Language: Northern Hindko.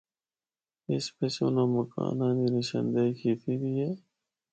اس بچ اناں مکاناں دی نشاندہی کیتی دی ہے۔